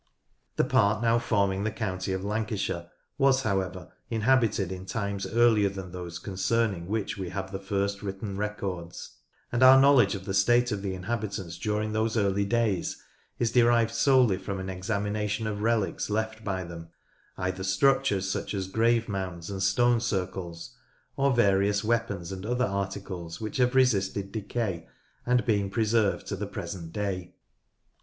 The part now forming the county of Lancashire was however inhabited in times earlier than those concerning which we have the first written records, and our know ledge of the state of the inhabitants during those early days is derived solely from an examination of relics left by them, either structures such as grave mounds and stone circles, or various weapons and other articles which have resisted decay and been preserved to the present day.